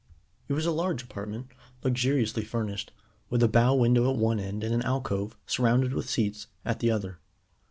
It was a large apartment, luxuriously furnished, with a bow window at one end and an alcove, surrounded with seats, at the other.